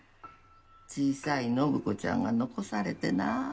小さい展子ちゃんが残されてなあ。